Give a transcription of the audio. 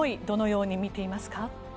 どのように見ていますか？